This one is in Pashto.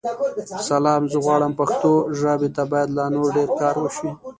سلام؛ زه غواړم پښتو ژابې ته بايد لا نور ډير کار وشې.